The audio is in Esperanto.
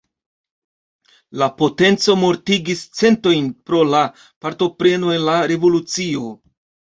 La potenco mortigis centojn pro la partopreno en la revolucio.